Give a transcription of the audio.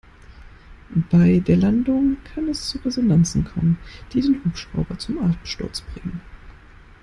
Bei der Landung kann es zu Resonanzen kommen, die den Hubschrauber zum Absturz bringen.